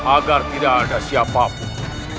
agar tidak ada siapapun